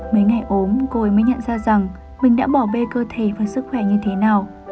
mấy ngày ốm côi mới nhận ra rằng mình đã bỏ bê cơ thể và sức khỏe như thế nào